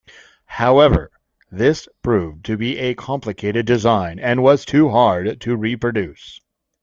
However, this proved to be a complicated design and was too hard to reproduce.